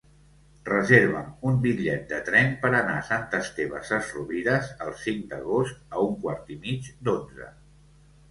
Reserva'm un bitllet de tren per anar a Sant Esteve Sesrovires el cinc d'agost a un quart i mig d'onze.